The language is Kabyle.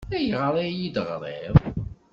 Ayɣer ay iyi-d-teɣriḍ?